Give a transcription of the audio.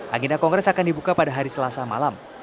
agenda kongres akan dibuka pada hari selasa malam